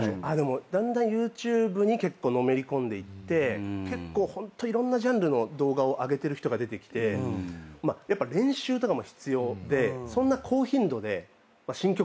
だんだんＹｏｕＴｕｂｅにのめり込んでいって結構ホントいろんなジャンルの動画を上げてる人が出てきてやっぱ練習とかも必要でそんな高頻度で新曲上げらんないとかあるじゃないですか。